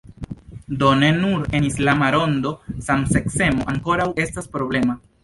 Do ne nur en islama rondo samseksemo ankoraŭ estas problema.